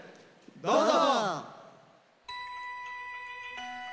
どうぞ！